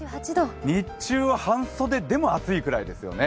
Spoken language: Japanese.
日中は半袖でも暑いぐらいですよね。